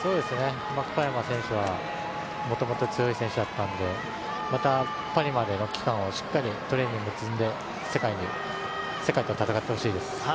小山選手はもともと強い選手だったので、またパリまでの期間をしっかりトレーニングを積んで世界と戦ってほしいです。